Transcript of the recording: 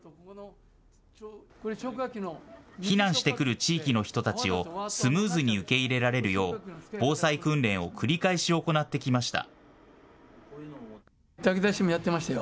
避難してくる地域の人たちをスムーズに受け入れられるよう防災訓練を繰り返し行ってきました。